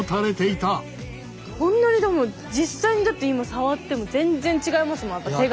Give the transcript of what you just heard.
こんなにでも実際に今触っても全然違いますもん手が。